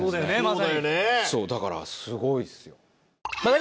そうだからすごいっすよ。